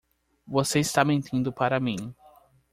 Você está mentindo para mim.